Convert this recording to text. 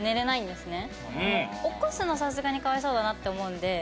でも起こすのはさすがにかわいそうだなって思うんで。